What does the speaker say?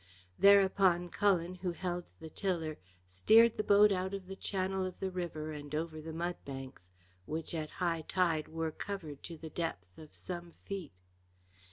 Thereupon Cullen, who held the tiller, steered the boat out of the channel of the river and over the mudbanks, which at high tide were covered to the depth of some feet.